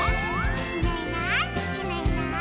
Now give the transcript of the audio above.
「いないいないいないいない」